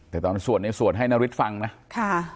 แต่ตอนส่วนนี้ส่วนให้นริชฟังนะค่ะ